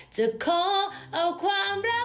จะขอเอาความรัก